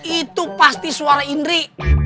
itu pasti suara indri